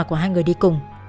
của hai người đi cùng